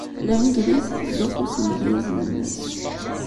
Langliz tettzuxxu s yimedyazen-nnes.